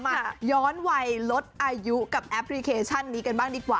มาย้อนวัยลดอายุกับแอปพลิเคชันนี้กันบ้างดีกว่า